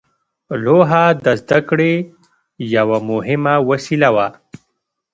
لوحه د زده کړې یوه مهمه وسیله وه.